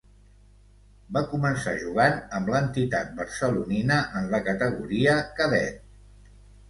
Va començar jugant amb l'entitat barcelonina en la categoria Cadet.